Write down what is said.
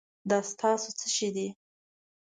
دا ستاسو څه شی دی؟